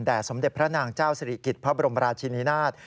สมเด็จพระนางเจ้าสิริกิจพระบรมราชินินาศ